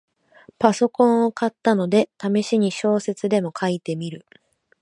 パソコンを買ったので、ためしに小説でも書いてみる